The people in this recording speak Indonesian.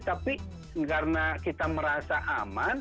tapi karena kita merasa aman